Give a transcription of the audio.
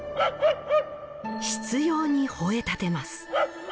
執ようにほえたてます。